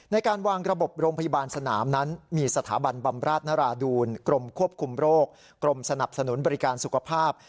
ในการวางระบบโรงพยาบาลสนามนั้นมีสถาบันบำราชนราดูลกรมควบคุมโรคกรมสนับสนุนบริการสุขภาพ